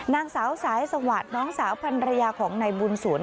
นางสาวสายสวัสดิ์น้องสาวพันรยาของนายบุญสวน